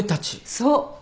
そう。